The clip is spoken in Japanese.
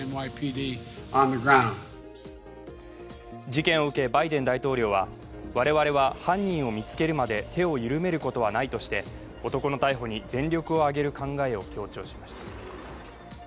事件を受けバイデン大統領は我々は犯人を見つけるまで手を緩めることはないとして、男の逮捕に全力を上げる考えを強調しました。